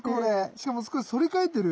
しかも少し反り返ってる？